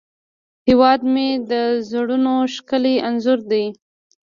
هیواد مې د زړونو ښکلی انځور دی